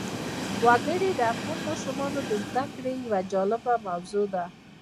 وګړي د افغان ماشومانو د زده کړې یوه جالبه موضوع ده.